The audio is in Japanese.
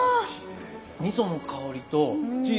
みその香りとチーズの香り。